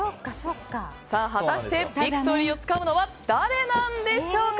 果たしてヴィクトリーをつかむのは誰なんでしょうか。